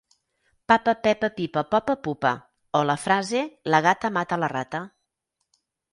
«papa-Pepa-pipa-popa-pupa» o la frase «la gata mata la rata».